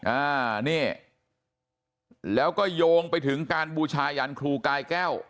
อ่านี่แล้วก็โยงไปถึงการบูชายันครูกายแก้ว